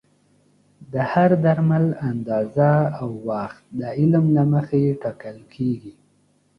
د هر درمل اندازه او وخت د علم له مخې ټاکل کېږي.